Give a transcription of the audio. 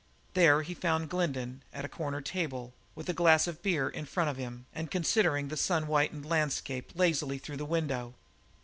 There he found Glendin, seated at a corner table with a glass of beer in front of him, and considering the sun whitened landscape lazily through the window.